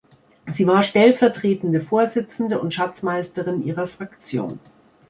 Sie war stellvertretende Vorsitzende und Schatzmeisterin ihrer Fraktion.